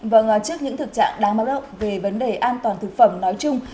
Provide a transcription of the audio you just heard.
vâng trước những thực trạng đáng báo động về vấn đề an toàn thực phẩm nói chung